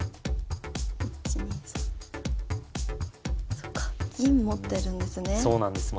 そっか銀持ってるんですね。